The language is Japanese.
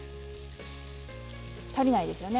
足りないですよね。